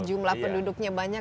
jumlah penduduknya banyak